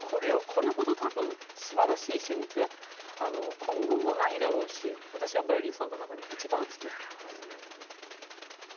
これほど多分素晴らしい旋律は今後もないだろうし私は『ヴァイオリン・ソナタ』の中で一番好きな曲ですね。